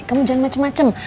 kamu jangan macem macem